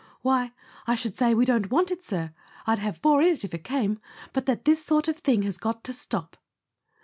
"Why, I should say we don't want it, sir—I'd have four in it if it came —but that this sort of thing has got to stop.